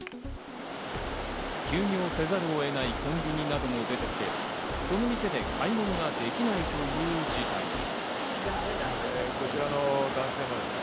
休業せざるを得ないコンビニなども出てきて、その店で買い物ができないという事態に。